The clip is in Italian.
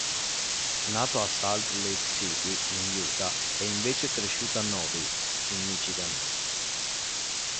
Nato a Salt Lake City, in Utah, è invece cresciuto a Novi, in Michigan.